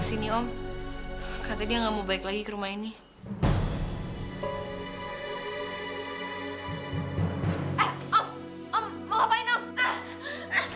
ternyata ketika itu bapak ibu udah ulang